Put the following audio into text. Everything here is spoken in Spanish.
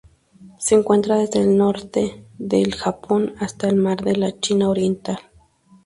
Se encuentra desde el norte del Japón hasta el Mar de la China Oriental.